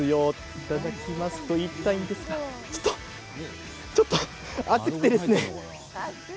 いただきますと言いたいんですがちょっと熱かったですね。